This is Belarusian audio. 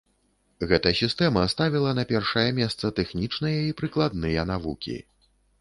Гэта сістэма ставіла на першае месца тэхнічныя і прыкладныя навукі.